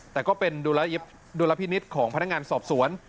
แต่ก็เป็นดุลพินิษฐ์ของพนักงานสอบสวน